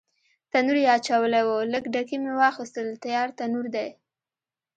تنور یې اچولی و، لږ ډکي مې واخیستل، تیار تنور دی.